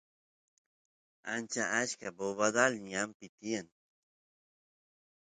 ancha achka bobadal ñanpi tiyan